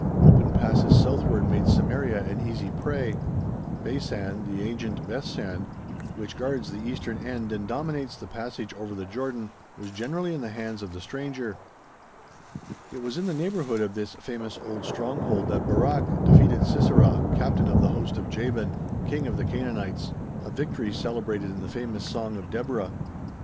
Open passes southward made Samaria an easy prey. Beisan (the ancient Bethshan), which guards the eastern end and dominates the passage over the Jordan, was generally in the hands of the stranger. It was in the neighbourhood of this famous old stronghold that Barak defeated Sisera, captain of the host of Jaban, king of the Canaanites a victory celebrated in the famous song of Deborah.